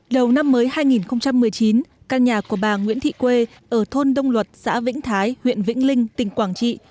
đầu năm mới hai nghìn một mươi chín căn nhà của bà nguyễn thị quê ở thôn đông luật xã vĩnh thái huyện vĩnh linh tỉnh quảng trị